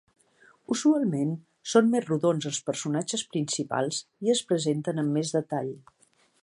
Usualment són més rodons els personatges principals i es presenten amb més detall.